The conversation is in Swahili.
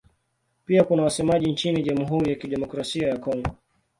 Pia kuna wasemaji nchini Jamhuri ya Kidemokrasia ya Kongo.